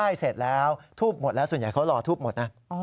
เสร็จแล้วทูบหมดแล้วส่วนใหญ่เขารอทูบหมดนะ